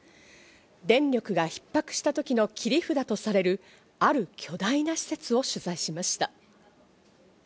電力が逼迫した時の切り札とされるある巨大な施設を取材しました。